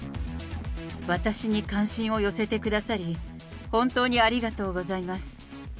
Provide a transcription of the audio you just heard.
私に関心を寄せてくださり、本当にありがとうございます。